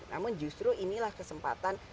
namun justru inilah kesempatan